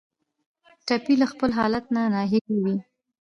ټپي له خپل حالت نه ناهیلی وي.